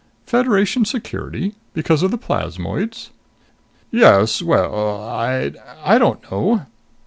"Federation security? Because of the plasmoids?" "Yes.... Well.... I'd I don't know."